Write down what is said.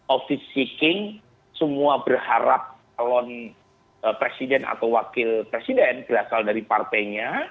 office seeking semua berharap kalon presiden atau wakil presiden berasal dari partainya